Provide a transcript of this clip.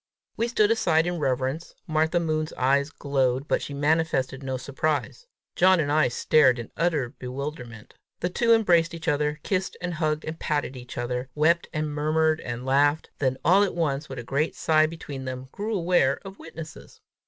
We stood aside in reverence. Martha Moon's eyes glowed, but she manifested no surprise. John and I stared in utter bewilderment. The two embraced each other, kissed and hugged and patted each other, wept and murmured and laughed, then all at once, with one great sigh between them, grew aware of witnesses.